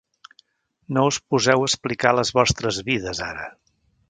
No us poseu a explicar les vostres vides, ara!